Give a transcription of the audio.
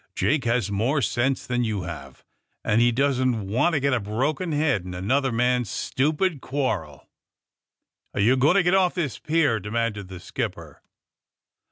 '^Jake has more sense than you have, and he doesn't want to get a broken head in another man's stupid quarrel." *^Are you going to get off this pierl" de manded the skipper.